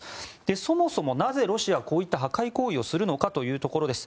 そもそも、なぜロシアはこういった破壊行為をするのかというところです。